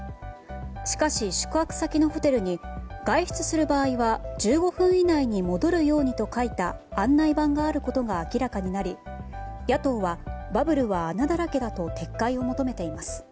しかし、宿泊先のホテルに外出する場合は１５分以内に戻るようにと書いた案内板があることが明らかになり野党は、バブルは穴だらけだと撤回を求めています。